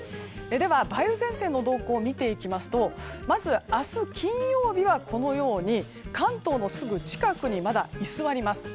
梅雨前線の動向を見ていきますとまず、明日金曜日はこのように関東のすぐ近くにまだ居座ります。